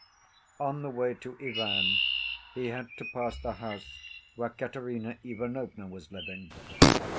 On the way to Ivan he had to pass the house where Katerina Ivanovna was living.